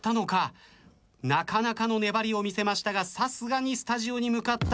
なかなかの粘りを見せましたがさすがにスタジオに向かったせいや。